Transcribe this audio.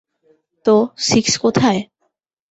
তো, সিক্স কোথায়?